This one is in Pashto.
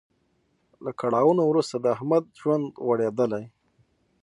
له کړاوونو وروسته د احمد ژوند غوړیدلی.